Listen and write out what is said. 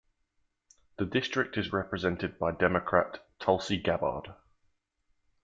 The district is represented by Democrat Tulsi Gabbard.